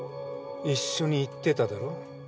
一緒に行ってただろ？